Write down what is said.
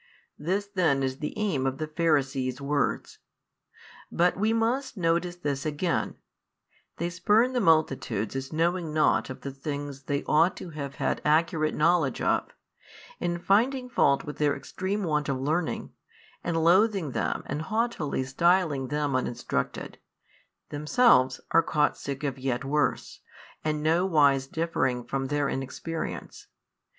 This then is the aim of the Pharisees' words. But we must notice this again: they spurn the multitudes as knowing nought of the things they ought to have had accurate knowledge of, and finding fault with their extreme want of learning, and loathing them and haughtily styling them uninstructed, themselves are caught sick of yet worse, and no wise differing from their inexperience.